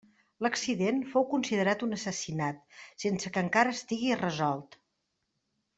L'accident fou considerat un assassinat, sense que encara estigui resolt.